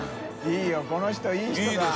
いいこの人いい人だ。